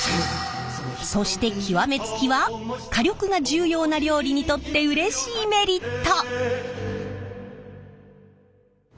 そして極め付きは火力が重要な料理にとってうれしいメリット！